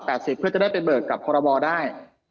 เพื่อจะได้ไปเบิกกับพรบได้